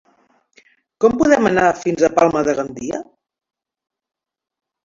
Com podem anar fins a Palma de Gandia?